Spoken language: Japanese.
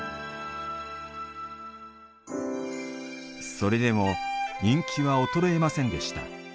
それでも人気は衰えませんでした。